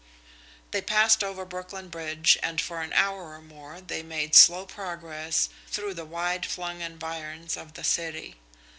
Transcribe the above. They passed over Brooklyn Bridge, and for an hour or more they made slow progress through the wide flung environs of the city.